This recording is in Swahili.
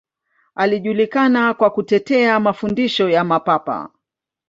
Alijulikana kwa kutetea mafundisho ya Mapapa.